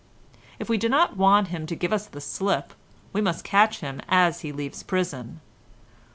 "If we do not want him to give us the slip we must catch him as he leaves prison."